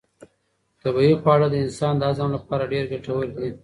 طبیعي خواړه د انسان د هضم لپاره ډېر ګټور دي.